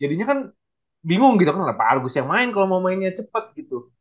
jadinya kan bingung gitu kan ada apa argus yang main kalau mau mainnya cepet gitu